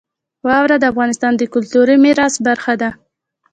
واوره د افغانستان د کلتوري میراث برخه ده.